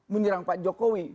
menyerang pak jokowi